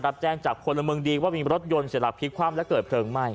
รับแจ้งจากคนละเมืองดีว่ามีรถยนต์เสียหลักพลิกคว่ำและเกิดเพลิงไหม้